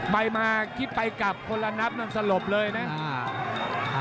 ไปมาคิดไปกลับคนละนับนั่นสลบเลยนะ